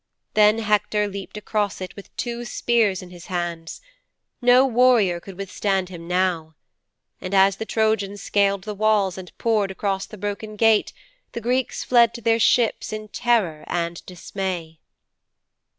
Then Hector leaped across it with two spears in his hands. No warrior could withstand him now. And as the Trojans scaled the walls and poured across the broken gate, the Greeks fled to their ships in terror and dismay.'